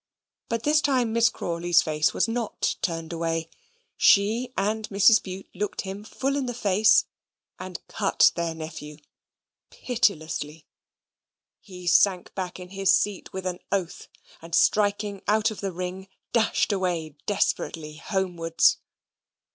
But this time Miss Crawley's face was not turned away; she and Mrs. Bute looked him full in the face, and cut their nephew pitilessly. He sank back in his seat with an oath, and striking out of the ring, dashed away desperately homewards.